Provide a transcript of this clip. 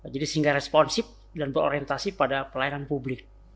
jadi sehingga responsif dan berorientasi pada pelayanan publik